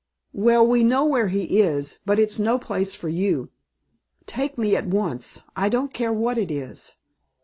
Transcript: "Well, we know where he is. But it's no place for you." "Take me at once. I don't care what it is."